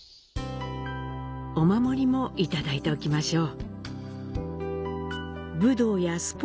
お守りもいただいておきましょう。